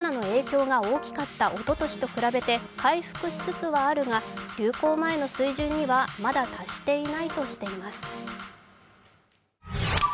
厚労省はコロナの影響が大きかったおととしと比べて回復しつつはあるが流行前の水準にはまだ達していないとしています。